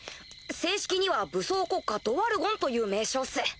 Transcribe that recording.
正式には武装国家ドワルゴンという名称っす。